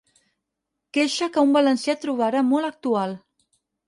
Queixa que un valencià trobarà molt actual.